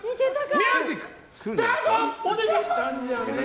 ミュージックスタート！